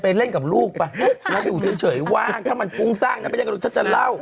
ไปเล่นกับลูกป่ะระดูกเฉยว่างถ้ามันพุ่งสร้างฉันจะเล่า